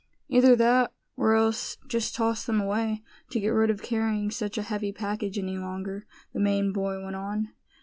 "Either that, or else just tossed them away, to get rid of carrying such a heavy package any longer," the Maine boy went on.